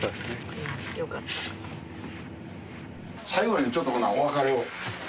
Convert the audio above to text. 最後にちょっとほなお別れを。